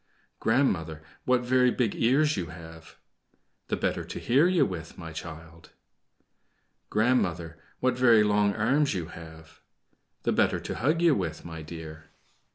"Grandmother, what very big ears you have!" "The better to hear you with, my child." "Grandmother, what very long arms you have!" "The better to hug you with, my dear."